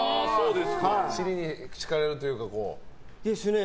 尻に敷かれるというか。ですね。